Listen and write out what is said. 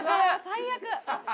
最悪！